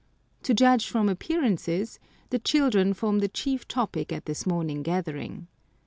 To judge from appearances, the children form the chief topic at this morning gathering.